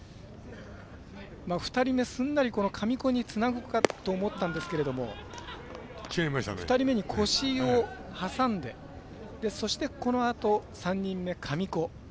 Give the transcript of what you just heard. ２人目、すんなり神子につなぐかと思ったんですけれども２人目に越井を挟んでそして、このあと３人目、神子。